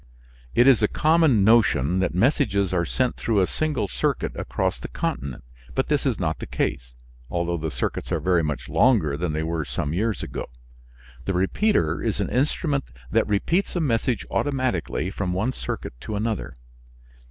It is a common notion that messages are sent through a single circuit across the continent, but this is not the case, although the circuits are very much longer than they were some years ago. The repeater is an instrument that repeats a message automatically from one circuit to another.